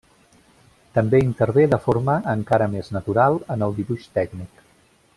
També intervé de forma encara més natural en el dibuix tècnic.